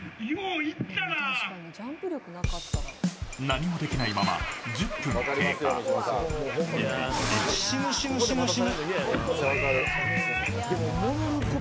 何もできないまま１０分経過。